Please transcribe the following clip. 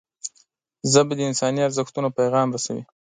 ژبه د انساني ارزښتونو پیغام رسوي